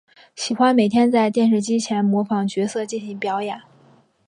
喜欢每天在电视机前模仿角色进行表演。